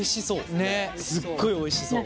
すっごいおいしそう。